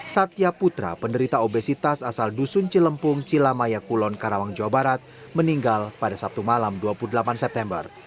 satya putra penderita obesitas asal dusun cilempung cilamaya kulon karawang jawa barat meninggal pada sabtu malam dua puluh delapan september